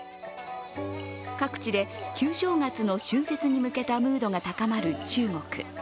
各地で旧正月の春節に向けたムードが高まる中国。